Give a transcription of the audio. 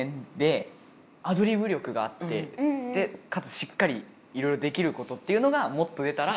レイのかつしっかりいろいろできることっていうのがもっと出たら。